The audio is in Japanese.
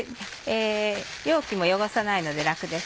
容器も汚さないので楽です。